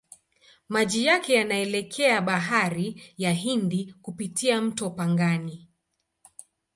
Maji yake yanaelekea Bahari ya Hindi kupitia mto Pangani.